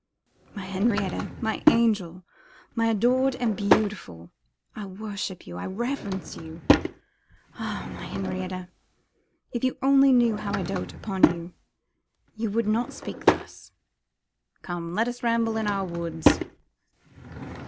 'My Henrietta! my angel! my adored and beautiful! I worship you, I reverence you. Ah! my Henrietta, if you only knew how I dote upon you, you would not speak thus. Come, let us ramble in our woods.